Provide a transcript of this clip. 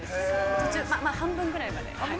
途中、半分ぐらいまで。